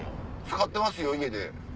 使ってますよ家で。